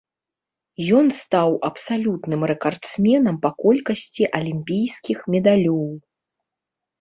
Ён стаў абсалютным рэкардсменам па колькасці алімпійскіх медалёў.